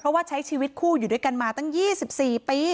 เพราะว่าใช้ชีวิตคู่อยู่ด้วยกันมาตั้ง๒๔ปี